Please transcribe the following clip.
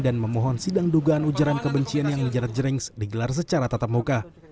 dan memohon sidang dugaan ujaran kebencian yang menjerat jerings digelar secara tatap muka